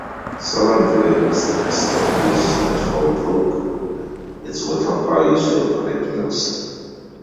Solon village was established at Fall Brook, its water power used to operate mills.